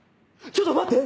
ちょっと待って！